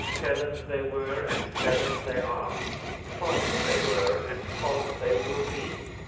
Felons they were, and felons they are; false they were, and false they will be.